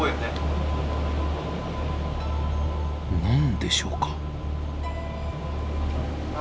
何でしょうか。